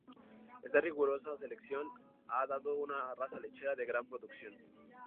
Esta rigurosa selección ha dado una raza lechera de gran producción.